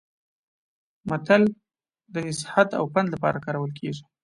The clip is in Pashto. متل د نصيحت او پند لپاره کارول کیږي